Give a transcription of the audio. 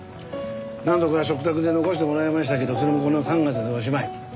なんとか嘱託で残してもらいましたけどそれもこの３月でおしまい。